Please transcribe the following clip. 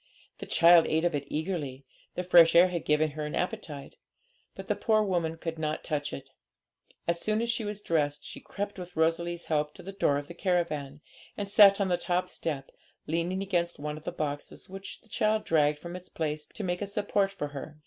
The child ate of it eagerly the fresh air had given her an appetite but the poor woman could not touch it. As soon as she was dressed, she crept, with Rosalie's help, to the door of the caravan, and sat on the top step, leaning against one of the boxes, which the child dragged from its place to make a support for her.